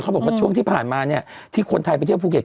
บอกว่าช่วงที่ผ่านมาเนี่ยที่คนไทยไปเที่ยวภูเก็ต